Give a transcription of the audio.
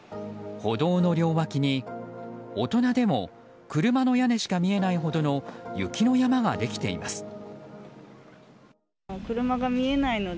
歩道の両脇に、大人でも車の屋根しか見えないほどの雪の山ができています。